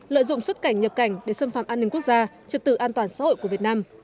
lợi dụng xuất cảnh nhập cảnh để xâm phạm an ninh quốc gia trật tự an toàn xã hội của việt nam